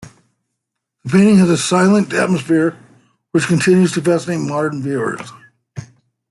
The painting has a 'silent' atmosphere which continues to fascinate modern viewers.